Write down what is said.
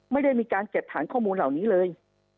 ไม่ได้มีการเก็บฐานข้อมูลเหล่านี้เลย